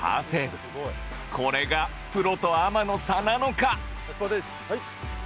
これがプロとアマの差なのか？